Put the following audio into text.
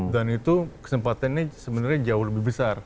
dan itu kesempatannya sebenarnya jauh lebih besar